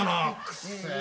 くっせえ